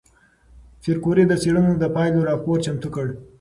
پېیر کوري د څېړنو د پایلو راپور چمتو کړ.